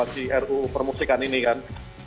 di ru permusikan ini kan